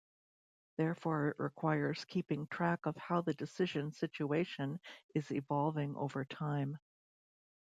Therefore, it requires keeping track of how the decision situation is evolving over time.